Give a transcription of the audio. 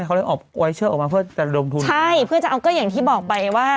เขาเลยออกไวเชอร์ออกมาเพื่อจะลงทุนใช่เพื่อจะเอาก็อย่างที่บอกไปว่า